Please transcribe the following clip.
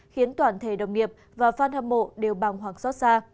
khiến toàn thể đồng nghiệp và fan hâm mộ đều băng hoàng xót xa